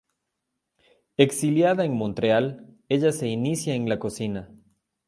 Exiliada en Montreal, ella se inicia en la cocina.